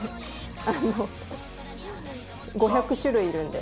あの５００種類いるんで。